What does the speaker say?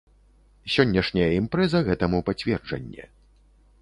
Сённяшняя імпрэза гэтаму пацверджанне.